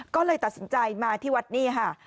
ก็เลยตัดสินใจมาที่วัดนี่ค่ะ